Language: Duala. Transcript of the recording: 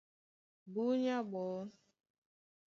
Búnyá ɓɔɔ́,